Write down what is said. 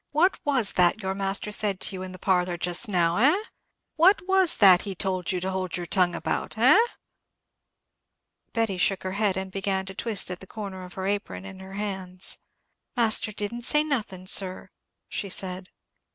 What was that your master said to you in the parlour just now, eh? What was that he told you to hold your tongue about, eh?" Betty shook her head, and began to twist the corner of her apron in her hands. "Master didn't say nothing, sir," she said.